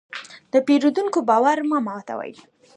د پیرودونکي باور مه ماتوه.